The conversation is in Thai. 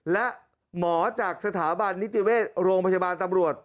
และหมอจากสถาบันนิติเวชโรงพยาบาลตำรวจ